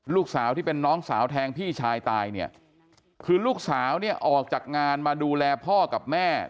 ลูกสาวที่เป็นน้องสาวแทงพี่ชายตายเนี่ยคือลูกสาวเนี่ยออกจากงานมาดูแลพ่อกับแม่